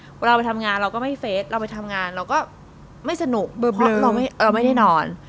เวลาเราไปทำงานเราก็ไม่เฟสเราไปทำงานเราก็ไม่สนุกเบอร์เบลอเพราะเราไม่เราไม่ได้นอน